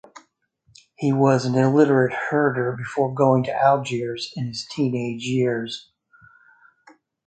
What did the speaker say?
He was an illiterate herder before going to Algiers in his teenage years.